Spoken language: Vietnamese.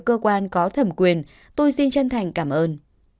cơ quan có thẩm quyền tôi xin chân thành cảm ơn